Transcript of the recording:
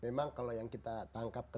memang kalau yang kita tangkap itu adalah